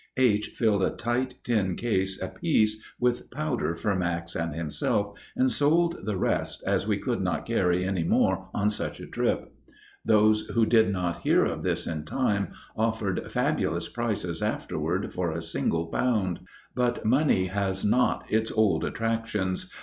H. filled a tight tin case apiece with powder for Max and himself and sold the rest, as we could not carry any more on such a trip. Those who did not hear of this in time offered fabulous prices afterward for a single pound. But money has not its old attractions.